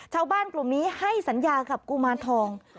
ชาวบ้านกลุ่มนี้ให้สัญญากับกุมารทอง